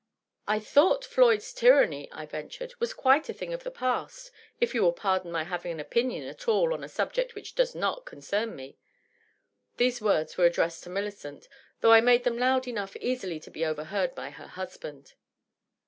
" I thought Floyd's tyranny," I ventured, " was quite a thing of the past, if you will pardon my having an opinion at all on a subject which does not concern me." These woras were addressed to Millicent, though I made them loud enough easily to be overheard by her husband.